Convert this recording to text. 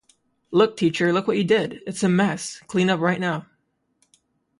Look teacher, look what you did, it's a mess, clean up right now.